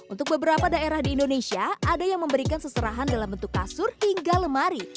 untuk beberapa daerah di indonesia ada yang memberikan seserahan dalam bentuk kasur hingga lemari